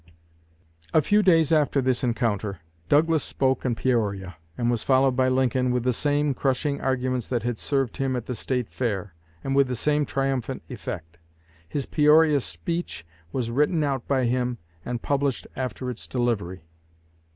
A few days after this encounter, Douglas spoke in Peoria, and was followed by Lincoln with the same crushing arguments that had served him at the State Fair, and with the same triumphant effect. His Peoria speech was written out by him and published after its delivery.